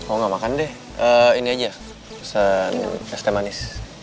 oh gak makan deh ini aja pesan es teh manis